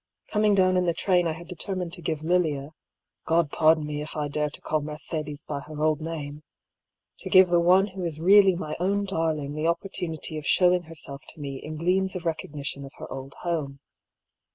Coming down in the train I had determined to give Lilia — God pardon me if I dare to call Mercedes by her old name !— ^to give the one who is really my own darling the opportunity of showing her self to me in gleams of recognition of her old home.